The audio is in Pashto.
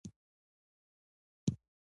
د پاکو اوبو رسولو شبکې ناروغۍ کموي.